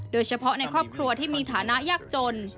โดยเฉพาะในครอบครัวที่มีฐานะยากจน